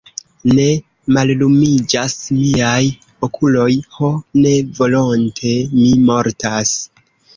Ne, mallumiĝas miaj okuloj, ho, ne volonte mi mortas.